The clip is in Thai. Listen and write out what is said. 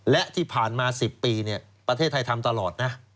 และที่ผ่านมา๑๐ปีประเทศไทยทำตลอดนะ